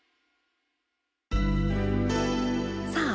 さあ